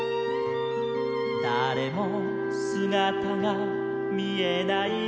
「だれもすがたがみえないよ」